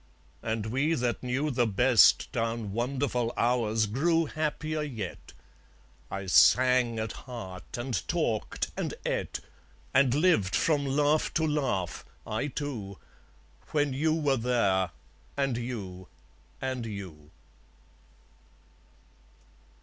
And we that knew the best Down wonderful hours grew happier yet. I sang at heart, and talked, and eat, And lived from laugh to laugh, I too, When you were there, and you, and you.